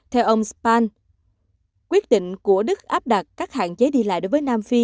theo ông span quyết định của đức áp đặt các hạn chế đi lại đối với nam phi